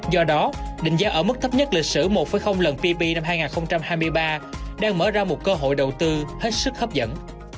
do đó định giá ở mức thấp nhất lịch sử một lần ppp năm hai nghìn hai mươi ba đang mở ra một cơ hội đầu tư hết sức hấp dẫn